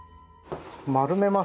丸めます。